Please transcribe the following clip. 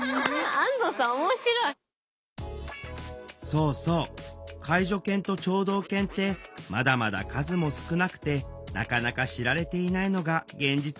そうそう介助犬と聴導犬ってまだまだ数も少なくてなかなか知られていないのが現実なの。